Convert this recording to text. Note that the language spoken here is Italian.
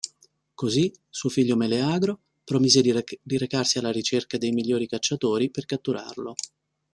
Così suo figlio Meleagro promise di recarsi alla ricerca dei migliori cacciatori per catturarlo.